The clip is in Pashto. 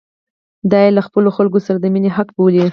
دا یې له خپلو خلکو سره د مینې حق بولي.